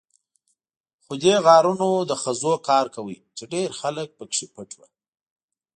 خو دې غارونو د خزو کار کاوه، چې ډېر خلک پکې پټ وو.